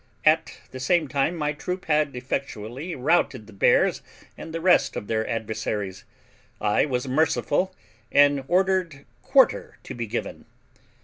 At the same time my troop had effectually routed the bears and the rest of their adversaries. I was merciful, and ordered quarter to be given.